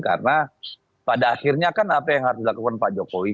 karena pada akhirnya kan apa yang harus dilakukan pak jokowi